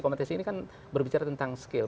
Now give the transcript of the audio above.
kompetisi ini kan berbicara tentang skill